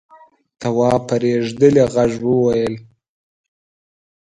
تواب په رېږدېدلي غږ وويل: